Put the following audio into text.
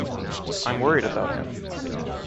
I’m worried about him.